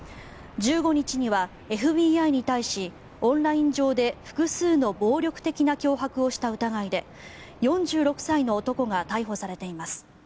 １５日にはＦＢＩに対しオンライン上で複数の暴力的な脅迫をした疑いで４６歳の男が逮捕されています。